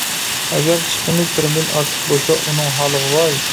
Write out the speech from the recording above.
ئەگەر چىقىمى كىرىمىدىن ئارتۇق بولسا، ئۇنىڭ ھالىغا ۋاي!